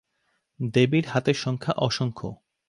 দেবীর হাতের সংখ্যা অসংখ্য।